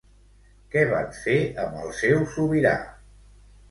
Què van fer amb el seu sobirà?